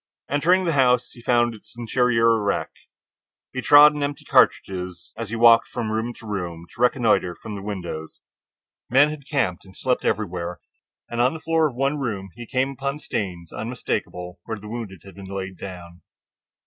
Entering the house, he found the interior a wreck. He trod on empty cartridges as he walked from room to room to reconnoiter from the windows. Men had camped and slept everywhere, and on the floor of one room he came upon stains unmistakable where the wounded had been laid down.